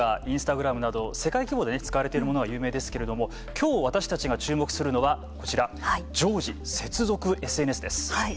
インスタグラムなど世界規模で使われているものは有名ですけれどもきょう私たちが注目するのはこちら、常時接続ＳＮＳです。